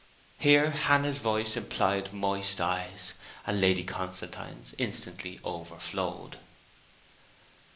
Here Hannah's voice implied moist eyes, and Lady Constantine's instantly overflowed.